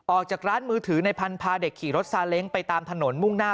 ออกจากร้านมือถือในพันธุ์พาเด็กขี่รถซาเล้งไปตามถนนมุ่งหน้า